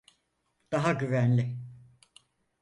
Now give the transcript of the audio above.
Daha güvenli.